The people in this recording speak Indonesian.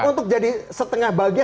untuk jadi setengah bahagia